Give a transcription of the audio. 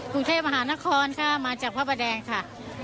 กรุงเทพมหานครค่ะมาจากพระประแดงค่ะ